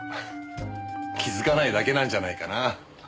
気づかないだけなんじゃないかな。